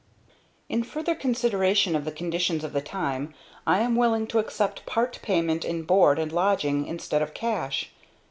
"'In further consideration of the conditions of the time, I am willing to accept part payment in board and lodging instead of cash.